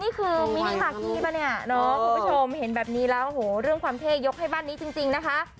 นี่คือมีที่หลักนี้ป่ะเนี่ยคุณผู้ชมเห็นแบบนี้แล้วเรื่องความเท่ยกให้บ้านนี้จริงนะคะ